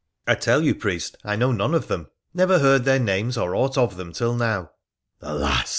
' I tell you, priest, I know none of them — never heard their names or aught of them till now.' ' Alas